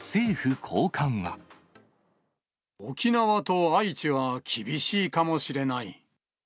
沖縄と愛知は厳しいかもしれない。